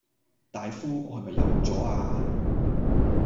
大夫，我係咪有左呀